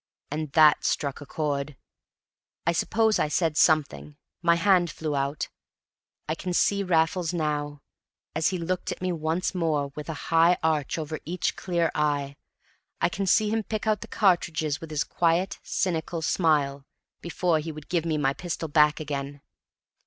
And that struck a chord. I suppose I said something my hand flew out. I can see Raffles now, as he looked at me once more with a high arch over each clear eye. I can see him pick out the cartridges with his quiet, cynical smile, before he would give me my pistol back again.